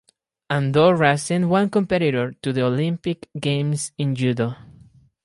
Andorra sent one competitor to the Olympic Games in Judo.